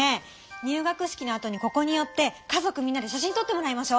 入学式のあとにここに寄って家族みんなで写真とってもらいましょう。